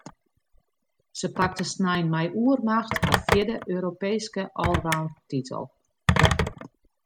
Se pakte snein mei oermacht har fjirde Europeeske allroundtitel.